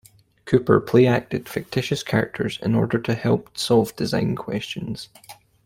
Cooper play-acted fictitious characters in order to help solve design questions.